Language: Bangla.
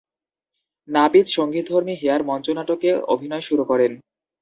নাপিত সঙ্গীতধর্মী "হেয়ার" মঞ্চনাটকে অভিনয় শুরু করেন।